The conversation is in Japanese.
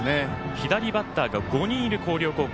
左バッターが５人いる広陵高校。